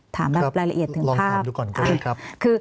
ถามแบบรายละเอียดถึงภาพ